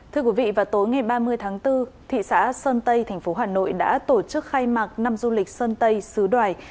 thưa quý vị vào tối ngày ba mươi tháng bốn thị xã sơn tây thành phố hà nội đã tổ chức khai mạc năm du lịch sơn tây xứ đoài